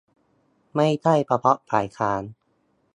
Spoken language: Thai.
ไม่ใช่เฉพาะฝ่ายค้าน